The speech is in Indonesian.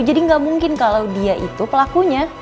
jadi gak mungkin kalo dia itu pelakunya